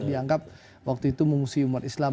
dianggap waktu itu mengungsi umat islam